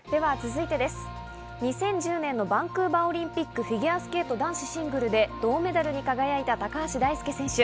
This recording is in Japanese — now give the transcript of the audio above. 続いて、２０１０年のバンクーバーオリンピック男子シングルスで銅メダルに輝いた高橋大輔選手。